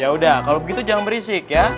ya udah kalau begitu jangan berisik ya